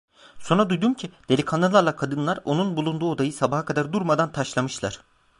Sonra duydum ki, delikanlılarla kadınlar onun bulunduğu odayı sabaha kadar durmadan taşlamışlar.